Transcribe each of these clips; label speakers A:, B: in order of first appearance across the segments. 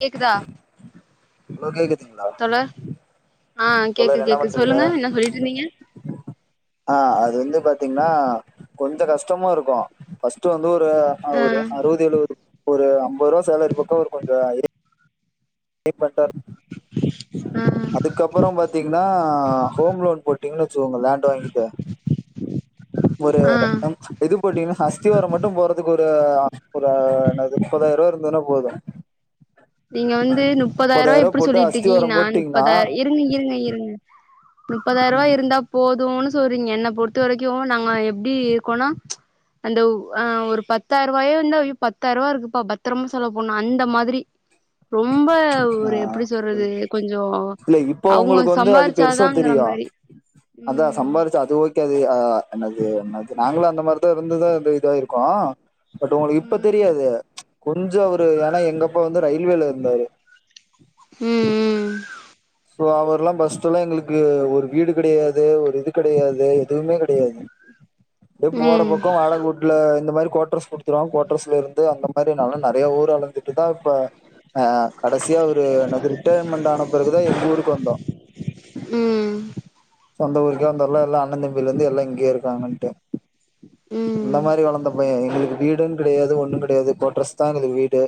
A: கேக்குதா
B: ஹலோ கேக்குதுங்ளா
A: தோழர் ஆ கேக்குது
B: என்ன
A: கேக்கு
B: பண்றீங்க
A: சொல்லுங்க என்ன சொல்லிட்ருந்தீங்க
B: ஆ அது வந்து பாத்தீங்ன்னா கொஞ்சோ கஷ்டமு இருக்கும் ஃபர்ஸ்ட்டு வந்து ஒரு ஆ ஒரு அறுவது எழுவது ஒரு அம்பரூவா சேலரி பக்கம் இருக்குங்க அது பே பண்ட்டாரு
A: ஆ
B: அதுக்கப்றம் பாத்தீங்ன்னா ஹோம் லோன் போட்டீங்ன் வச்சுக்கோங்க லேண்ட் வாங்கிட்டு ஒரு
A: ஆ
B: [inaudible] இது போட்டீங்ன்னா அஸ்திவாரம் மட்டும் போட்றதுக்கு ஒரு ஒரு என்னது முப்பதாயிரூவாய் இருந்ததுன்னா போதும்
A: நீங்க வந்து முப்பதாயிரூவா
B: முப்பதாயிர ரூபா
A: இப்டி
B: போட்டு
A: சொல்லிட்ருக்கீங்
B: அஸ்திவாரம்
A: நா
B: போட்டீங்கன்னா
A: முப்பதாயிரம் இர் ருங்க இருங்க இருங்க முப்பதாயிரூவாய் இருந்தா போதும்ன்னு சொல்றீங்க என்ன பொறுத்த வரைக்கும் நாங்க எப்டி இருக்கோனா அந்த ஆ ஒரு பத்தாயிரூபாயோ இர்ந்தா அய்யோ பத்தாயிரூவா இருக்குப்பா பத்ரமா செலவ் பண்ணும் அந்த மாதிரி ரொம்ப
B: ஆ
A: ஒரு எப்டி சொல்றது கொஞ்சம்
B: இல்ல இப்போ
A: அவுங்க
B: உங்களுக்கு வந்து அது
A: சம்பாரிச்
B: பெருசா தெரியம் அதா சம்பாதிச்சா அது ஓக் கே அது அ என்னது என்னது நாங்களு அந்த மாரிதா இருந்து தா இந்த இதா ஆயிர்க்கோம் பட் உங்களுக்கு இப்ப
A: ம்
B: தெரியாது கொஞ்சோ அவரு ஏன்னா எங்கப்பா வந்து ரயில்வேலா இருந்தாரு
A: ம் ம்
B: சோ அவர்லா பஸ்ட்டுல்லா எங்களுக்கு ஒரு வீடு கெடயாது ஒரு இது கெடயாது எதுவுமே கெடயாது அப்டே போற
A: ம்
B: போக்குல வாடக ஊட்ல இந்த மாரி கோட்ரஸ் குடுத்து தா கோட்ரஸ்ல இருந்து அந்த மாரி நாங்ளு நெறைய ஊர் அழந்துட்டு தா இப்ப ஆ கடசியா ஒரு நேது ரிட்டர்மெண்ட் ஆன பிறகு போய் எங்க ஊருக்கு வந்தோம்
A: ம் ம்
B: சொந்த ஊருக்கே வந்துர்லா எல்லா அண்ண தம்பில இருந்து எல்லா இங்கயே இருக்காங்கன்ட்டு இந்த
A: ம்
B: மாரி வளந்த பைய எங்குளுக்கு வீடுங் கெடயாது ஒண்ணும் கெடயாது கோட்ரஸ் தா எங்குளுக் வீடு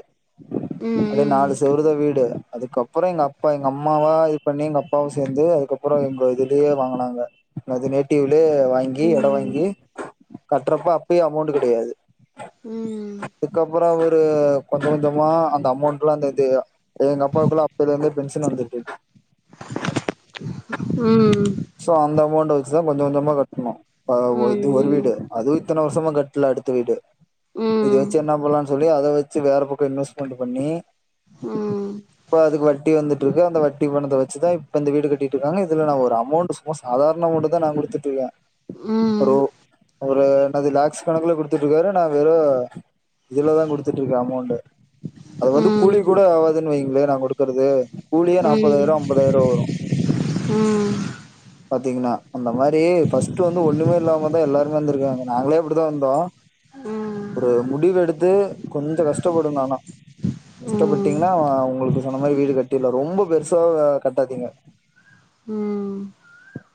B: அது
A: ம் ம்
B: நாலு செவுறுதா வீடு அதுக்கப்புறம் எங்க அப் எங்க அம்மாவா இது பண்ணி எங்க அப்பாவும் சேந்து அதுக்கப்புறோ எங்க எதிர்லேயே வாங்குனாங்க அது நேட்டிவ்லயே வாங்கி எடம் வாங்கி கட்றப்ப அப்பயே அமவ்ண்ட்டு கெடயாது
A: ம் ம்
B: அதுக்கப்புறம் அவுரு கொஞ்சம் கொஞ்சமா அந்த அமவ்ண்ட்ல்ல அந்த இதுவ் எங்க அப்பாவுக்குள்ள அப்பத்லெந்து பென்ஷன் வந்துட்ருக்
A: ம்
B: சோ அந்த அமவ்ண்ட்ட வச்சுதா கொஞ்ச கொஞ்சமா கட்ணு அ
A: ம் ம்
B: இது ஒரு
A: ம்
B: வீடு அதுவும் இத்தன வருஷமா கட்லா அடுத்த வீடு
A: ம் ம் ம் ம்
B: இது வெச்சு என்ன பண்லா சொல்லி அத வச்சு வேற பக்கம் இன்வெஸ்ட்மென்ட்டு பண்ணி இப்ப அதுக்கு வட்டி வந்துட் ட்ருக்கு அந்த வட்டி பணத்த வச்சுதா இப்ப இந்த வீடு கட்டிட்டு இருக்காங்க இதுலா நா ஒரு அமோண்ட் சும்மா சாதாரண அமோண்ட்தா நா குடுத்துட்டு இருக்கே ஒரு ஒரு என்னது லேக்ஸ் கணக்குலா குடுத் துட்டு இருக்காரு நா வெகு இதுலாதா குடுத்துட்டு இருக்க அமோண்டு அது வந்து கூலிக்குகூட ஆவாதுன்னு வைங்களே நா குடுக்குறது
A: ம், ஆ
B: பாத்தீங்கன்னா அந்த மாரி ஃபஸ்ட் வந்து ஒண்ணுமே இல்லாமதா எல்லாருமே வந்துருக்காங்க நாங்களே அப்படிதா வந்தோ ஒரு முடிவு எடுத்து கொஞ்ச கஷ்டப்படனு ஆனா
A: ம் ம்
B: கஷ்டப்பட்டீங்னா அ உங்களுக்கு சொன்ன மாரி வீடு கட்டிட்லா ரொம்ப பெருசா கட்டாதீங்க
A: ம்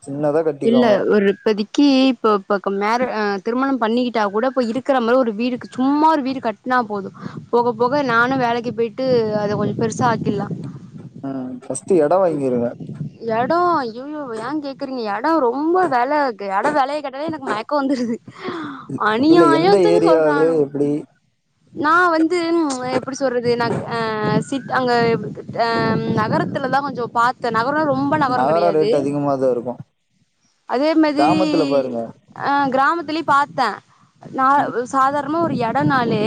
B: சின்னதா
A: இல்ல
B: கட்டிக்கோங்க
A: ஒரு இப்பதிக் கி இப்போ இப்போ க மேர அ திருமணம் பண்ணிக்கிட்டா கூட இப்போ இருக்கிற மாரி ஒரு வீடுக்கு சும்மா ஒரு வீடு கட் னா போதும் போக போக நானு வேலைக்கு போயிட்டு அத கொஞ்சோ பெருசா ஆக்கிடலா
B: ம் ஃபஸ்ட்டு எடம் வாங்கிருங்க
A: எடம் ஐய்யயோ ஏன் கேக்குறீங்க எடம் ரொம்ப வெல எடம் வெலைய கேட்டாலே எனக்கு மயக்கோ வந்துருது அநியாயத்துக்கு சொல்றானுவோ
B: அப்டி
A: நா வந்து ம் எப்டி சொல்றது நா அ சிட் அங்க அ நகரத்துலதா கொஞ்சோ பாத்த நகரம்னா ரொம்ப நகரம் கடையாது
B: மாதா இருக்கு
A: அதே மாரி
B: கிராமத்துல பாருங்க
A: ஆ கிராமத்திலயு பாத்த, நா
B: ம்
A: சாதாரணமா ஒரு எடம்னாலே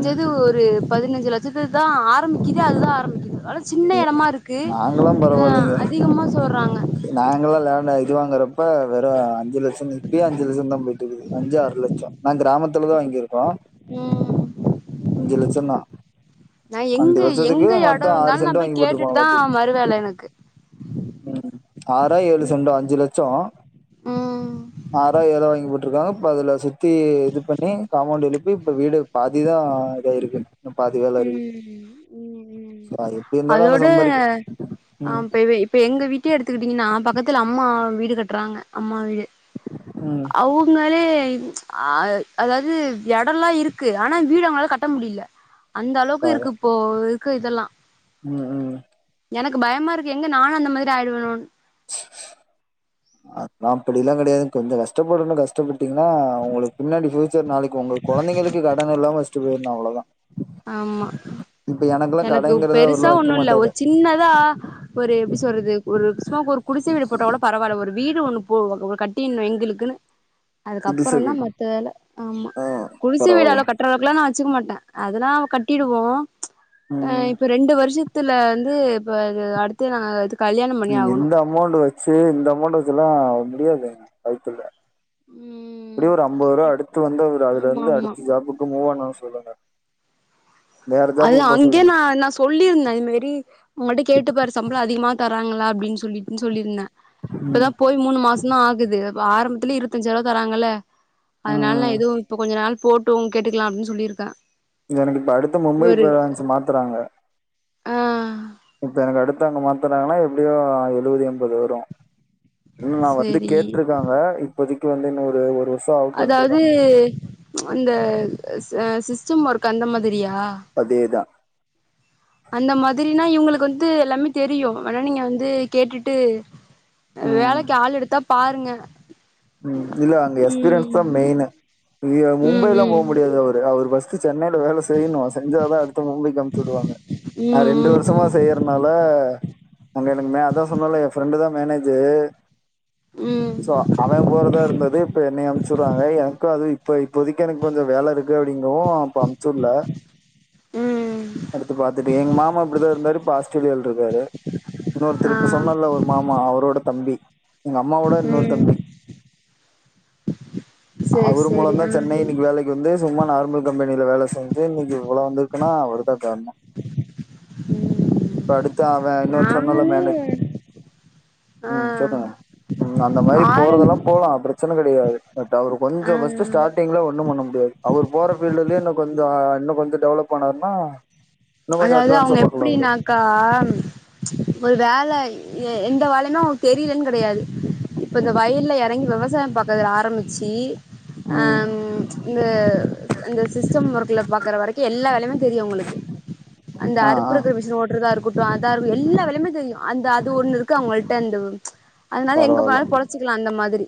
B: ம்
A: ஒரு பதினஞ்சு லட் சத்துக்குதா ஆரம்பிக்குதே. அதுதா ஆரம்பிக்குது சின்ன எடமா இருக்கு
B: நாங்கல்லா
A: அ
B: பரவாயில்லைங்க
A: அதிகமா சொல்றாங்க
B: நாங்கல்லா லேண்ட் இது வாங்கறப்ப வெறு அஞ்சு லட்சம் இப்பயே அஞ்சு லட்சம்தா போயிட்டு இருக்குது அஞ்சு ஆறு லட்சம் நா கிராமத்துலதா வாங்கிருக்கோ
A: ம்
B: அஞ்சு லட்சம்தா
A: நா எங்கு எங்கு எடம்
B: ஆறு
A: இருந்தாலு நா
B: சென்ட்
A: போய்
B: வாங்கி
A: கேட்டுட்டுதா
B: போட்ருப்பாங்களாட்டு
A: மறுவேல எனக்கு
B: ம், ஆறோ ஏழு செண்டோ அஞ்சு லட்சோ
A: ம்
B: ஆறோ ஏழோ வாங்கி போட்டுருக்காங்க இப்ப அதுல சுத்தி இது பண்ணி காம்பவுண்ட் எழுப் பி இப்ப வீடு பாதிதா இதாயிருக்கு இன்னு பாதி வேல இருக்கு,
A: ம் ம் ம்
B: சோ அது எப்டி இருந்தாலு அவங்க
A: அதோட
B: சம்பாரிக்க
A: ஆ இப்ப இப்ப எங்க வீட்டே எடுத்துக்கிட்டீங்னா பக்கத்துல அம்மா வீடு கட்டுறாங்க அம்மாவீடு
B: ம்
A: அவங்களே ஆ அதாவது எடம்லா இருக்கு ஆனா வீடு அவங்களால கட்ட முடில அந்த அளவுக்கு
B: பாரு
A: இருக்கு இப்போ இருக்கு இதெல்லா
B: ம், ம்
A: எனக்கு பயமா இருக்கு எங்க நானு அந்த மாதிரி ஆயிடுவனோனு
B: அதெல்லா அப்படில்லா கடையாது கொஞ்சோ கஷ்டப்படனு கஷ்டப்பட்டீங்னா உங்களுக்கு பின்னாடி ஃபியூச்சர் நாளைக்கு உங்க கொழந்தைகளுக்கு கடன் இல்லாம வச்சுட்டு போயிடணு அவ்ளோதா
A: ஆமா
B: இப்ப எனக்கெல்லா
A: எனக்கு
B: கடங்கிறத
A: பெருசா
B: அவர்லா வைக்க
A: ஒண்ணு இல்ல ஒரு
B: மாட்டாரு
A: சி ன்னாத ஒரு எப்டி சொல்றது ஒரு சும்மா ஒரு குடிசை வீடு போட்டா கூட பரவாயில்ல ஒரு வீடு ஒண்ணு போ கட்டிட்னு எங்களுக்குன்னு
B: இது
A: அதுக்கப்புறோ தா
B: சரி
A: மத்த வேல ஆமா
B: ஆ
A: குடிச
B: பரவால்ல
A: வீடலவு கட்டுற அளவுக்கல்லா நா வச்சுக்க மாட்டே அதெல்லா கட்டிடுவோ ஹ
B: ம்
A: இப்ப ரெண்டு வருஷத்துல வந்து இப்ப அடுத்து நாங்
B: நீங்க இந்த அமொண்ட வச்சு இந்த அமொண்ட வச்சுலா முடியாது வாய்ப்பில்ல
A: ம்
B: இப்டி ஒரு ஐம்பது ரூபா
A: இப்
B: அடுத்து வந்து அதுல
A: ஆமா
B: இருந்து
A: ஆமா
B: அடுத்த ஜாப்புக்கு மூவ் ஆனும்னு சொல்லுங்க வேற ஜாபுக்கு
A: அதுதா
B: போ
A: அங்கே
B: சொல்லுங்க
A: நா என்ன சொ சொல்லியிருந்தே இது மாரி அவங்கள்ட்ட கேட்டுப்பாரு சம்பளோ அதிகமா தராங்களா அப்டின்னு சொல்லிட்டுனு சொல்லிருந்தே இப்பதா
B: ம்
A: போய் மூணு மாசோ தா ஆகுது ஆரம்பத்துல இருபத்தஞ்சு ரூபா தராங்கல்ல அதனால நா
B: ம்
A: எதுவு இப்ப கொஞ்ச நாள் போட்டு கேட்டுக்கலா அப்டின்னு சொல்லியிருக்கே
B: எனக்கு இப்ப அடுத்து மும்பை
A: ஒரு
B: பிராஞ்ச்சு மாத்துறாங்க
A: ஆ
B: இப்போ எனக்கு அடுத்தங்க மாத்துனாங்கன்னா எப்டியு எழுபது எண்பது வரு நா வந்து
A: சேரி
B: கேட்ருக்காங்க இப்போதைக்கு வந்து இன்னொரு ஒரு வருஷோ ஆகட்டுன்ட்டு
A: அதாவது
B: இருக்காங்க
A: அந்த சிஸ்டம் ஒர்க் அந்த மாதிரியா
B: அதே தா
A: அந்த மாதிரினா இவங்களுக்கு வந்து எல்லாமே தெரியு வேணா நீங்க வந்து கேட்டுட்டு
B: ம்
A: வேலைக்கு ஆள் எடுத்தா பாருங்க
B: ம் இல்ல அங்க எக்ஸ்பீரியன்ஸ் தா
A: ம்
B: மெயினு மும்பைல்லா போ
A: ம்
B: முடியாது அவரு அவர் பஸ் சென்னையில வேலை செய்ணு செஞ்ச தா அடுத்து மும்பைக்கு அமிச்சி விடுவாங்க
A: ம்
B: நா ரெண்டு
A: ம்
B: வருஷமா செய்யறனால அங்க எனக்கு மே அதா சொன்னேல எ ஃப்ரெண்டு தா மேனேஜரு
A: ம்
B: அவே போறதா இருந்தது இப்ப என்னய அமுச்சுடுறாங்க எனக்கு அது இப்ப இப்போதைக்கு எனக்கு கொஞ்சோ வேலருக்கு ங்க அப்டிங்கவு அப்ப அமுச்சுடல
A: ம் ம்
B: அடுத்து பாத்துட்டு எங்க மாமா அப்டிதா இருந்தாரு பாஸ் சுழியல் இருக்காரு
A: ஆ
B: இன்னொருத்திரு இப்ப சொன்னேல்ல ஒரு மாமா அவரோட தம்பி எங்க அம்மாவோட
A: ம்
B: இன்னுறுத்தம்பி
A: சேரி
B: அவரு
A: சேரி
B: மூலோதா
A: ஆ
B: சென்னை இன்னைக்கு வேலைக்கு இன்னிக்கு வந்து சும்மா நார்மல் கம்பெனில வேல செஞ்சு இன்னிக்கு இவ்ளோ வந்திருக்குன்னா அவருதா காரணோ
A: ம்
B: இப்ப அடுத்து அவே இன்னொன்னு சொன்னேல மேனே
A: நாங்களும் ஆ
B: ம் சொல்லுங்க ம் அந்த மாரி
A: ஆரஞ்
B: போறெதெல்லா போலா பிரச்சனை கெடையாது நேத்து அவரு கொஞ்சோ பஸ்ட்
A: ஆ
B: ஸ்டாட் நீங்களு ஒண்ணு பண்ண முடியாது அவர் போற ஃபீல்டுலே இன்னு கொஞ்சோ இன்னு கொஞ்சோ டெவலப் பண்ணாருன்னா
A: அதாவது அவங்க எப்படின்னாக்கா ஒரு வேல எந்த வேலைனு அவுங்க தெரியலன்னு கெடையாது இப்ப இந்த வயல்ல எறங்கி விவசாயோ பாக்குரதுல ஆரம்பிச்சி
B: ம்
A: அம் இந்த அந்த சிஸ்டம் ஒர்க்ல பாக்குற வரைக்கு எல்லா வேலையு தெரியு அவுங்களுக்கு அந்த
B: ஆ ஆ
A: அறுப்புருக் ஷினு ஓட்டுறதா இருக்கட்டு அதா இரு எல்லா வேலையுமே தெரியு அந்த அது ஒண்ணுருக்கு அவங்கள்ட அந்த அதனால எங்க போனாலு பொழச்சிக்கலா அந்த மாதிரி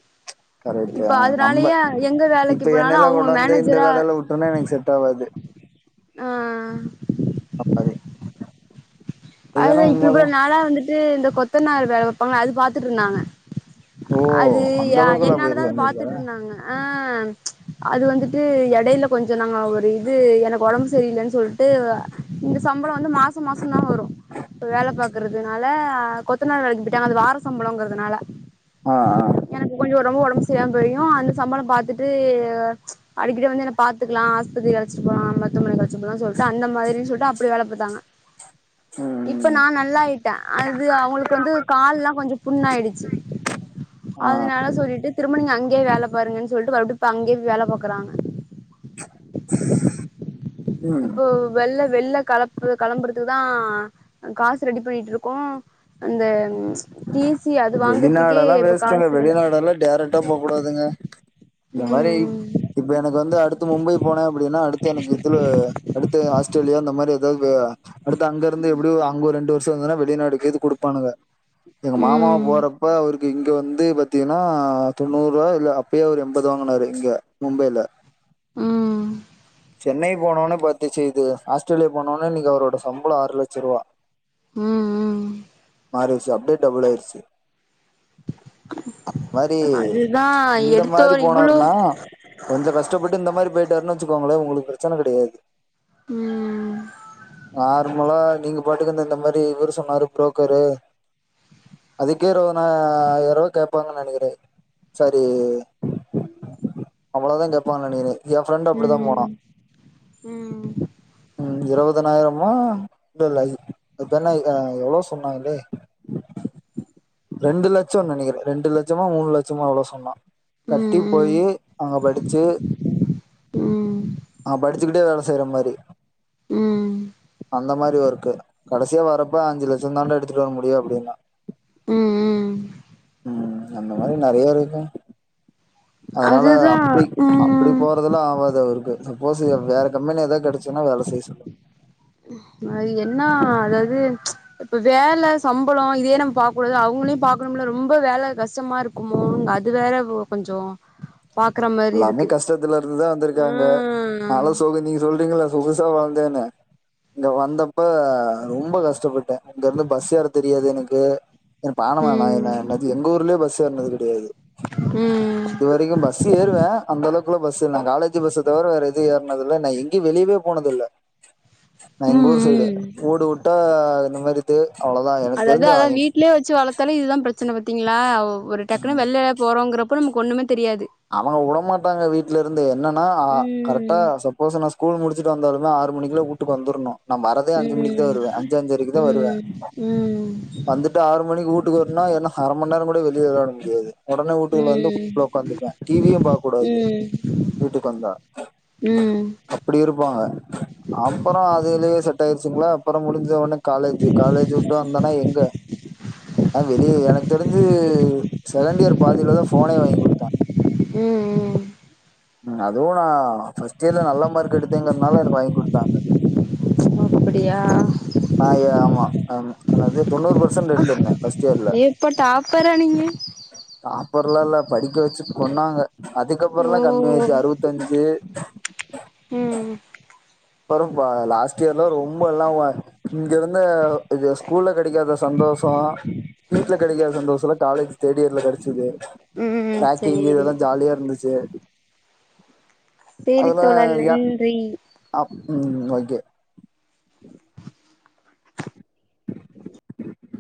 A: இப்ப
B: கரைடுதா நம்ம
A: அதனாலயே எங்க வேலைக்கு
B: இப்ப
A: போனாலு
B: என்னல்லா
A: அவங்க
B: கொண்டாந்து இந்த
A: மேனேஜரா
B: வேலையில விட்டோம்னா எனக்கு செட் ஆவாது [inaudible]
A: ஆஹ்
B: அப்பது
A: அதுதா இப்ப இவ்ள நாளா வந்துட்டு இந்த கொத்தனார் வேல பாப்பாங்கள அது பாத்துட்டுருந்தாங்க
B: ஓ
A: அது
B: அந்த அளவுக்குல்லா
A: என்னாலதா
B: போயிருக்கு
A: அது பாத்துட்டு
B: வந்திருக்காரா
A: இருந்தாங்க அது வந்துட்டு இடையில கொஞ்சோ நாங்க ஒரு இது எனக்கு உடம்பு சரியில்லன்னு சொல்ட்டு இந்த சம்பளோ வந்து மாச மாசோ தா வரு வேல பாக்குறதுனால கொத்தனார் வேலைக்கு போய்ட்டாங்க அது வார சம்பளோங்கறதுனால
B: அ ஆ
A: எனக்கு கொஞ்சோ ரொம்ப ஒடம்பு சரில்லமா போயு அந்த சம்பளோ பாத்துட்டு அடிக்கடி வந்து என்ன பாத்துக்லா ஆஸ்பத்திரிக்கு அழச்சட்டு போலா மருத்துவமனைக்கு அழச்சிட்டு போலா சொல்ட்டு அந்த மாரின் சொல்ட்டு அப்டி வேல பாத்தாங்க
B: ம்
A: இப்ப
B: ம்
A: நா நல்லாயிட்டே அது அவுங்களுக்கு வந்து கால்லா கொஞ்சோ புண்ணாய்டுச்சு
B: ஆ
A: அதனால சொல்லிட்டு திரும்ப நீங்க அங்கயே வேல பாருங்கன் சொல்ட்டு மறுப்டி இப்ப அங்கே வேல பாக்குறாங்க
B: ம்
A: இப்போ வெள்ல வெள்ல களப்பு களம்புறதுக்கு தா காசு ரெடி பண்ணிட்ருக்கோ அந்த ம் டி சி அது வாங்கற்துக்கே இப்ப காசில்ல
B: நல்ல டேரெக் ட்டா போ கூடாதுங்க இந்த மாரி
A: ம்
B: இப்ப எனக்கு வந்து அடுத்து மும்பை போனே அப்டின்னா அடுத்து எனக்கு இதுல அடுத்து ஆஸ்த்ரேலியா இந்த மாரி [unintelligible] அடுத்து அங்கெருந்து எப்டியோ அங்க ஒரு ரெண்டு வர்ஷோ இருந்தேனா வெளிநாடுக்கு இது குடுப்பானுங்க எங்க மாமா‌
A: ம்
B: போறப்ப அவ்ரு க்கு இங்க வந்து பாத்தீங்கன்னா தொண்ணூறுவா இல்ல அப்பயே அவரு எம்பது வாங்குனாரு இங்க மும்பைல
A: ம்
B: சென்னை போனோன பாத்து ச்சீ இது ஆஸ்த்ரேலியா போனோனே இன்னக்கி அவரோட சம்பளோ ஆறு லட்சருவா
A: ம்‌ ம்
B: மாறிருச்சு அப்டே டபுள்லாய்ருச்சு மாரி
A: அதுதா
B: இந்த மாரி
A: எடுத்தோர் இவ்ளோ
B: போனாருனா கொஞ்சோ கஷ்டப்பட்டு இந்த மாரி போய்ட்டாருன் வச்சுக்கோங்ளே உங்களுக்கு பிரச்சன கெடயாது
A: ம்
B: நார்மலா நீங்க பாட்டுக்கு இந்தந்த மாரி இவுரு சொன்னாரு ப்ரோ க்கரு அதுக்கே இருவதுனா அய்யாயருவா கேப்பாங்கன் நெனைக்கிறே சரி அவ்ளோதா கேப்பாங்கன் நெனைக்கிறே எ ஃப்ரெண்ட்டு அப்டிதா போனா
A: ம் ம்
B: ம் இருவதனாய்ரமோ இல்லெல்ல இதன ஆ எவ்ளோ சொன்னாங்களே ரெண்டு லட்சோன் நெனைக்கிறே ரெண்டு லட்சமா மூனு லட்சமா எவ்ளோ சொன்னா கட்டி
A: ம்
B: போயி அங்க படிச்சு
A: ம்
B: அங்க படிச்சுக்கிட்டே வேல செய்றமாரி
A: ம்
B: அந்த மாரி ஒர்க்கு கடைசியா வரப்ப அஞ்சு லட்சோ தான்டா எடுத்துட்டு வர முடியு அப்டின்னா
A: ம் ம்
B: ம் அந்த மாரி நறைய இருக்குங்க அதனால
A: அதுதா
B: அப்டி அப்டி
A: ம்
B: போறதுலா ஆவாது அவ்ருக்கு சப்போஸ் இவருக் வேற கம்பெனி எதா கெடச்சுன்னா வேல செய்ய சொல்லுங்
A: அது என்னா அதாவ்து இப்ப வேல சம்பளோ இதே நம்ம பாக்கூடாது அவுங்களையு பாக்கனும்ல ரொம்ப வேல கஷ்டமாரு க்குமோன் அது வேற கொஞ்சோ பாக்ற மா
B: எல்லாமே கஷ்டத்துலருந்துதா வந்திருக்காங்க
A: ம்
B: நாலா சொகு நீங்க சொல்றீங்கள சொகுசா வாழ்ந்தேனு இங்க வந்தப்ப ரொம்ப கஷ்டப்பட்டே இங்கருந்து பஸ் ஏற தெரியாது எனக்கு [unintelligible] நா நா
A: ம்
B: என்னது எங்கூர்லே பஸ் ஏற்னது கெடயாது
A: ம்
B: இது வரைக்கு பஸ் ஏறுவே அந்த அளவுக்குல பஸ் இல்ல நா காலேஜ் பஸ்ஸ தவிர வேற எது ஏற்னதுல்ல நா எங்கியு வெளியேவே போனது இல்ல நா
A: ம்
B: எங்க ஊர் சைடு
A: ம்
B: ஊடு உட்டா இந்த மாரி இது அவ்ளோதா எனக்கு தெரிஞ்ச நா
A: ச்சி வளத்தாலே இதுதா பிரச்சன பாத்தீங்ளா ஒரு டக்குனு வெள்ளே போறோங்றப்போ நமக்கு ஒன்னுமே தெரியாது
B: அவங்க விடமாட்டாங்க வீட்லருந்து என்னன்னா கரெக் டா
A: ம்
B: சப்போஸ் நா ஸ்கூல் முடிச்சுட்டு வந்தாலுமே ஆறு மணிக்குல்ல ஊட்டுக்கு வந்துர்ணு நா வரதே அஞ்சு மணிக்கு தா
A: ம்
B: வருவே அஞ்சு அஞ்சரைக்கு தா வருவே
A: ம் ம்
B: வந்து உட்டு ஆறு மணிக்கு ஊட்டுக்கு வரும்னா என்ன அரமண் நேரோ கூட வெளியே விளாட முடியாது ஒடனே ஊட்டுக்குள்ள வந்து
A: ம்
B: ஒக்காந்துப்பே டி வி யு பாக்கூடாது
A: ம்
B: வீட்டுக்கு வந்தா
A: ம்
B: அப்டி இருப்பாங்க அப்றோ அதுலயே செட் ஆயிருச்சுங்ளா அப்றோ முடிஞ்ச ஒட்ன காலேஜி காலேஜ் விட்டு வந்தானா எங்க ஆ வெளியே எனக்கு தெரிஞ்சு செகண்ட் இயர் பாதிலதா ஃபோனே வாங்கி குடுத்தாங்
A: ம் ம்
B: ம் அதுவு நா ஃபர்ஸ்ட் இயர்ல நல்ல மார்க் எடுத்தேங்கறனால எனக்கு வாங்கி குடுத்தாங்க
A: அப்படியா
B: ஆயே ஆமா ஆம் ஆனா அதே தொண்ணூறு பெர்சன்ட் எடுத்திருந்த ஃபர்ஸ்ட் இயர்ல
A: எப்ப டாப்பரா நீங்க
B: டாப்பர்லா இல்ல படிக்க வெச்சி கொன்னாங்க அதுக்கப்றோலா கம்மி
A: ஓ
B: ஆயிச்சி அறுவத்தஞ்சு
A: ம் ம்
B: அப்பறம் பா லாஸ்ட் இயர்லா ரொம்பல்லா இங்கருந்த இது ஸ்கூல்ல கிடைக்காத சந்தோஷோ வீட்ல கிடைக்காத சந்தோஷோலா காலேஜ் தேர்ட் இயர்ல கெடைச்சிது
A: ம்
B: ரேகிங்
A: சேரி
B: இதெல்லா ஜாலியா இருந்துச்சி
A: சேரி தோழா
B: ஏ
A: நன்றி
B: அப் ம் ஓகே